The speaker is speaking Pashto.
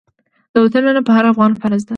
د وطن مينه په هر افغان فرض ده.